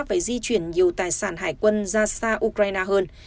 phải di chuyển nhiều tài sản hải quân ra xa ukraine hơn